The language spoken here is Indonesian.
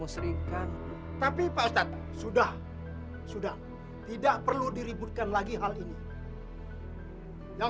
saya butuh air untuk minum